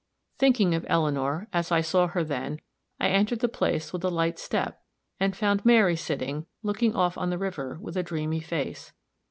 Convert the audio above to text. Thinking of Eleanor, as I saw her then, I entered the place with a light step, and found Mary sitting, looking off on the river with a dreamy face.